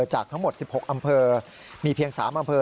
จากทั้งหมด๑๖อำเภอมีเพียง๓อำเภอ